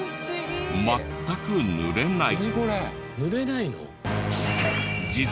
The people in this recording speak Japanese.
全く濡れない。